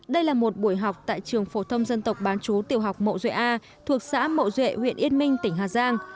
đây là một buổi học tại trường phổ thông dân tộc bán chú tiểu học mậu duệ a thuộc xã mậu duệ huyện yên minh tỉnh hà giang